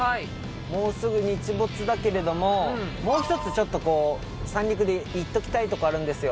もうすぐ日没だけれども發Π譴三陸で行っときたいとこあるんですよ。